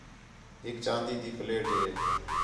ہِک چاندی تی پلیٹ ہے